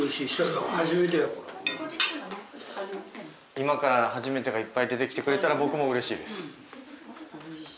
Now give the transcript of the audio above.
今から「初めて」がいっぱい出てきてくれたら僕もうれしいです。